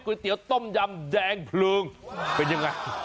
เตี๋ยวต้มยำแดงเพลิงเป็นยังไง